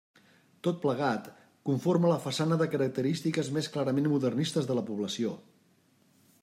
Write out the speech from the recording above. Tot plegat, conforma la façana de característiques més clarament modernistes de la població.